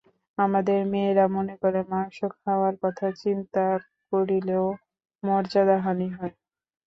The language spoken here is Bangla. আমাদের মেয়েরা মনে করে, মাংস খাওয়ার কথা চিন্তা করিলেও মর্যাদাহানি হয়।